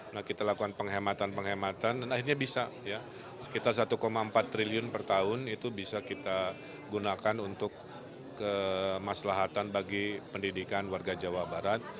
nah kita lakukan penghematan penghematan dan akhirnya bisa ya sekitar satu empat triliun per tahun itu bisa kita gunakan untuk kemaslahatan bagi pendidikan warga jawa barat